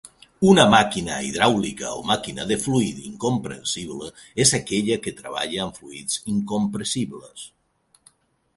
Una màquina hidràulica o màquina de fluid incompressible és aquella que treballa amb fluids incompressibles.